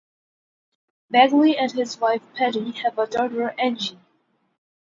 Bagley and his wife Pattie have a daughter, Angie.